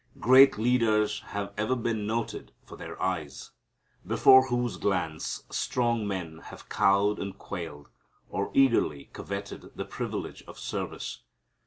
Great leaders have ever been noted for their eyes, before whose glance strong men have cowed and quailed, or eagerly coveted the privilege of service.